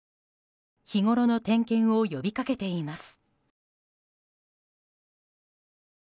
日ごろの点検を呼びかけています。